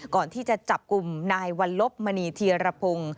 ก่อนที่จะจับกลุ่มนายวัลลบมณีธีรพงศ์